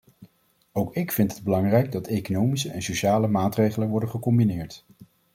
Ook ik vind het belangrijk dat economische en sociale maatregelen worden gecombineerd.